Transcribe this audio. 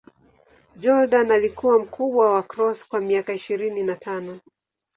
Jordan alikuwa mkubwa wa Cross kwa miaka ishirini na tano.